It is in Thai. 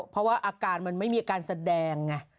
เพราะว่าอาการมันไม่มีอาการแสดงไง